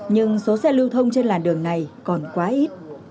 nhưng số xe lưu thông trên làn đường này còn quá ít